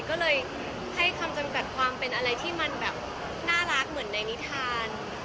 ก็เลยให้คำจำกัดความเป็นอะไรที่มันแบบน่ารักเหมือนในนิทาน